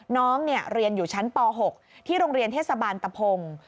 น้องเรียนอยู่ชั้นป๖ที่โรงเรียนเทศบาลตะพง